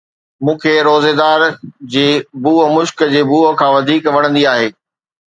مون کي روزيدار جي بوءِ مشڪ جي بوءَ کان وڌيڪ وڻندي آهي